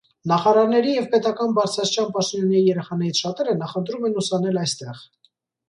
Նախարարների և պետական բարձրաստիճան պաշտոնյաների երեխաներից շատերը նախընտրում են ուսանել այստեղ։